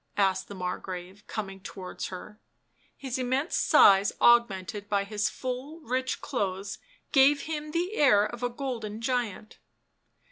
asked the Margrave, coming towards her; his immense size augmented by his full rich clothes gave him the air of a golden giant.